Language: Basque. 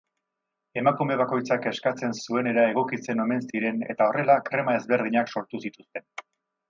Emakume bakoitzak eskatzen zuenera egokitzen omen ziren eta horrela krema ezberdinak sortu zituzten.